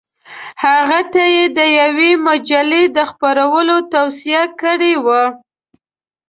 هغه ته یې د یوې مجلې د خپرولو توصیه کړې وه.